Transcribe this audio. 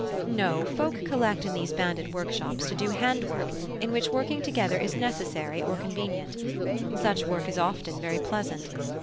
No; folk collect in these Banded workshops to do hand work in which working together is necessary or convenient; such work is often very pleasant.